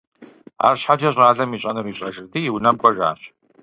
АрщхьэкӀэ щӀалэм ищӀэнур ищӀэжырти, и унэм кӀуэжащ.